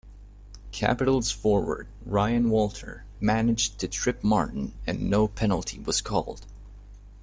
Capitals forward Ryan Walter managed to trip Martin and no penalty was called.